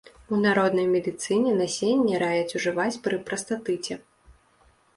У народнай медыцыне насенне раяць ужываць пры прастатыце.